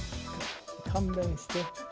勘弁して。